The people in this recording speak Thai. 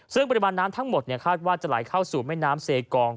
ซึ่งปริมาณน้ำทั้งหมดคาดว่าจะไหลเข้าสู่แม่น้ำเซกอง